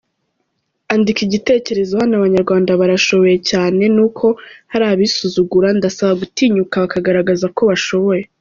Andika Igitekerezo Hano abanyarwanda barashoboye cyane nuko harabizsuzuguru ndasaba gutinyuka bakagaragazako bashoboye.